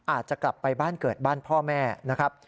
อาจจะกลับไปบ้านเกิดบ้านพ่อแม่นะครับ